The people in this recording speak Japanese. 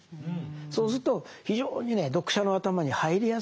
そうすると非常にね読者の頭に入りやすいんです。